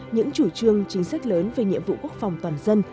những chủ trương chính sách lớn về nhiệm vụ quốc phòng toàn dân